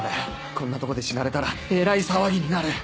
こんなとこで死なれたらえらい騒ぎになる